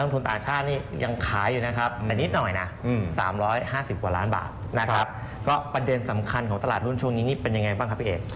ปัดเดียนสำคัญของตลาดรุ่นช่วงนี้เป็นยังไงค่ะพี่เอก